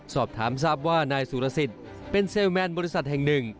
สอบถามทราบว่านายสุรสิทธิ์เป็นเซลแมนบริษัทแห่งหนึ่ง